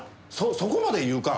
そそこまで言うか！